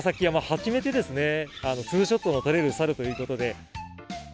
初めてですね、２ショットの撮れるサルということで。